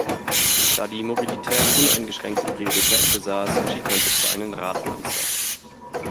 Da die Mobilität uneingeschränkte Priorität besaß, entschied man sich für einen Radpanzer.